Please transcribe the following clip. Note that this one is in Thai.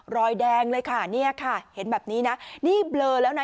รอยแดงเลยค่ะเนี่ยค่ะเห็นแบบนี้นะนี่เบลอแล้วนะ